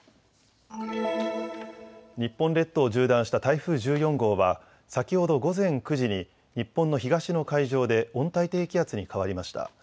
日本列島を縦断した台風１４号は、先ほど午前９時に日本の東の海上で温帯低気圧に変わりました。